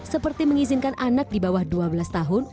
seperti mengizinkan anak di bawah dua belas tahun